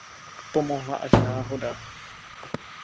Pomohla až náhoda.